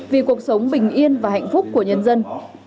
vì cuộc sống bình yên và hạnh phúc của nhân dân